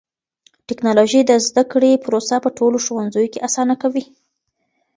ټکنالوژي د زده کړې پروسه په ټولو ښوونځيو کې آسانه کوي.